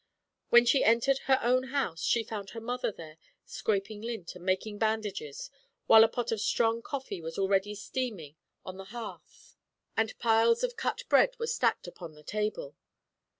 When she entered her own house, she found her mother there, scraping lint and making bandages, while a pot of strong coffee was already steaming on the hearth and piles of cut bread were stacked upon the table.